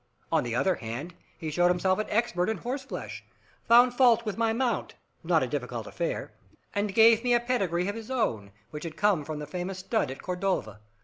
On the other hand, he showed himself an expert in horseflesh, found fault with my mount not a difficult affair and gave me a pedigree of his own, which had come from the famous stud at Cordova.